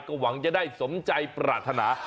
ก็หวังจะได้สมใจปรารถนา